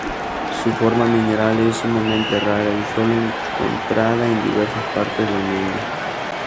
Su forma mineral es sumamente rara y solo encontrada en diversas partes del mundo